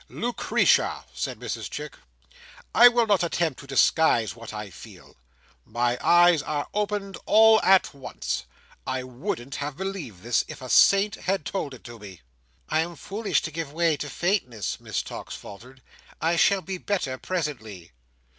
"Lucretia!" said Mrs Chick "I will not attempt to disguise what I feel. My eyes are opened, all at once. I wouldn't have believed this, if a Saint had told it to me." "I am foolish to give way to faintness," Miss Tox faltered. "I shall be better presently."